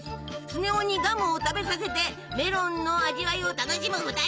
スネ夫にガムを食べさせてメロンの味わいを楽しむ２人。